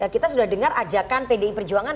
kita sudah dengar ajakan pdi perjuangan